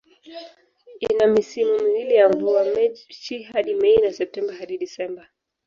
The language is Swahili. Ina misimu miwili ya mvua, Machi hadi Mei na Septemba hadi Disemba.